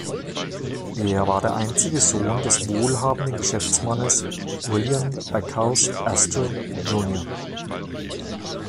Er war der einzige Sohn des wohlhabenden Geschäftsmannes William Backhouse Astor, Jr.